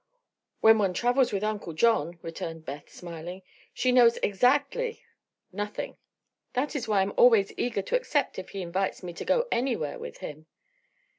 "When one travels with Uncle John," returned Beth, smiling, "she knows exactly nothing. That is why I am always eager to accept if he invites me to go anywhere with him."